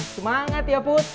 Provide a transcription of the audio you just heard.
semangat ya put